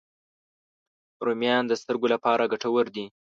رومیان د سترګو لپاره ګټور دي